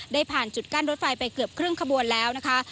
ได้ผ่านจุดกั้นรถไฟไปเกือบครึ่งขบวนแล้วนะคะ